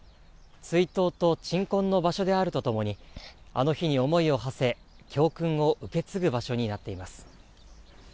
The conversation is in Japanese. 追悼と鎮魂の場所であるとともに、あの日に思いをはせ、教訓を受け継ぐ場所になっています。